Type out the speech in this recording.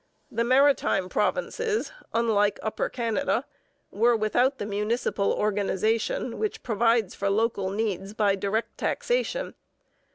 The Maritime Provinces, unlike Upper Canada, were without the municipal organization which provides for local needs by direct taxation.